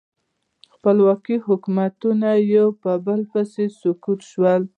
خپلواک حکومتونه یو په بل پسې سقوط شول.